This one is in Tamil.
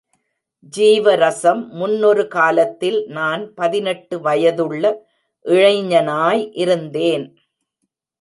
ஜீவரசம் முன்னொரு காலத்தில் நான் பதினெட்டு வயதுள்ள இளைஞனாய் இருந்தேன்.